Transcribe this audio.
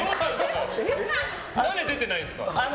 何で出てないんですか。